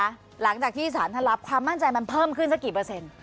พี่หน่วยไหนหลังจากที่สรรค์มันรับความมั่นใจเพิ่มขึ้นสักกี่เปอร์เซ็นต์